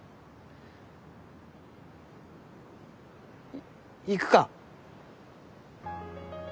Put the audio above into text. い行くか？